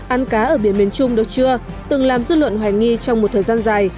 ăn cá ở biển miền trung được chưa từng làm dư luận hoài nghi trong một thời gian dài